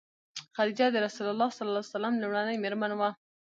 خدیجه د رسول الله ﷺ لومړنۍ مېرمن وه.